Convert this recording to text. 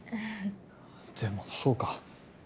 でもそうか。